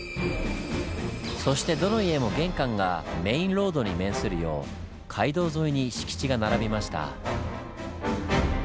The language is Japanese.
そしてどの家も玄関がメインロードに面するよう街道沿いに敷地が並びました。